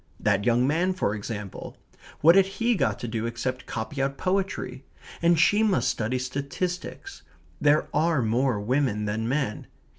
That young man for example. What had he got to do except copy out poetry? And she must study statistics. There are more women than men.